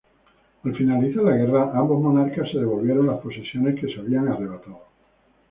Al finalizar la guerra, ambos monarcas se devolvieron las posesiones que se arrebataron.